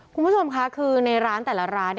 คุณผู้ชมค่ะคือในร้านแต่ละร้าน